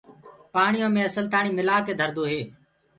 پآڻيو مي اسل تآڻي مِلآ ڪي ڌردو هي۔